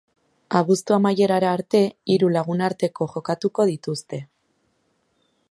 Abuztu amaierara arte, hiru lagunarteko jokatuko dituzte.